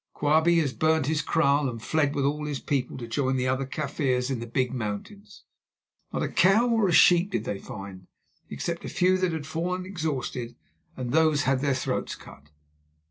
Quabie has burnt his kraal and fled with all his people to join the other Kaffirs in the Big Mountains. Not a cow or a sheep did they find, except a few that had fallen exhausted, and those had their throats cut.